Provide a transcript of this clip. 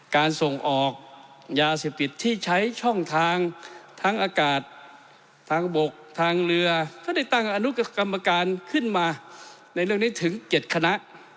การส่งออกยาเสพติดที่ใช้ช่องทางทั้งอากาศทางบกทางเรือก็ได้ตั้งอนุกรรมการขึ้นมาในเรื่องนี้ถึง๗คณะ